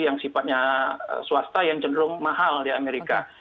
yang sifatnya swasta yang cenderung mahal di amerika